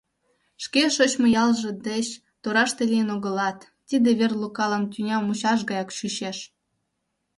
Шке шочмо ялже деч тораште лийын огылат, тиде вер Лукалан тӱня мучаш гаяк чучеш.